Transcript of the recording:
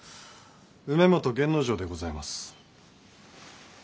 梅本源之丞でございます。